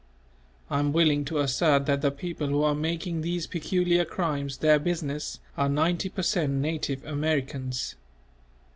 I am willing to assert that the people who are making these peculiar crimes their business, are ninety per cent. native Americans.